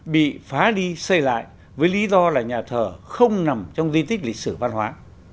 bị phá đi xây lại với lý do là nhà thờ không nằm trong di tích lịch sử văn hóa